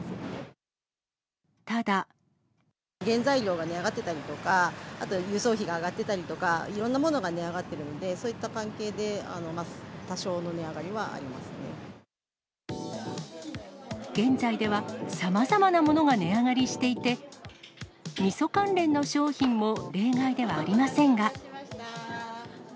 原材料が値上がってたりとか、あと輸送費が上がってたりとか、いろんなものが値上がってるので、そういった関係で、現在ではさまざまなものが値上がりしていて、みそ関連の商品も例外ではありませんが。